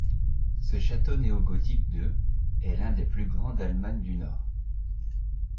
Ce château néogothique de est l'un des plus grands d'Allemagne du nord.